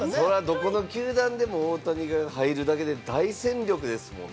どこの球団でも大谷が入るだけで大戦力ですもんね。